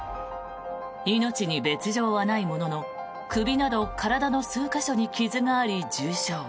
命に別条はないものの首など体に数か所に傷があり重傷。